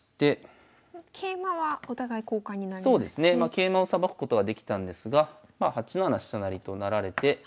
桂馬をさばくことはできたんですが８七飛車成となられて。